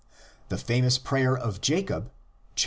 The famous prayer of Jacob, xxxii.